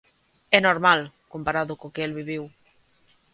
É normal, comparado co que el viviu.